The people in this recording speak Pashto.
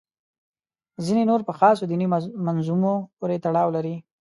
ځینې نور په خاصو دیني منظومو پورې تړاو لري.